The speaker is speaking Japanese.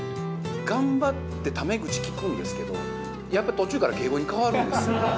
頑張って、タメ口きくんですけど、やっぱり途中から敬語に変わるんですよ。